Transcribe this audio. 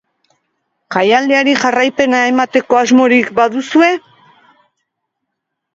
Jaialdiari jarraipena emateko asmorik baduzue?